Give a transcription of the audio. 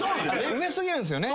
上すぎるんですよね。